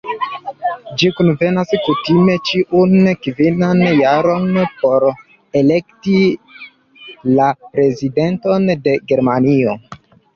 Ĝi kunvenas kutime ĉiun kvinan jaron por elekti la Prezidenton de Germanio.